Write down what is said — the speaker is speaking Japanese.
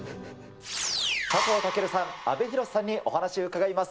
佐藤健さん、阿部寛さんにお話し伺います。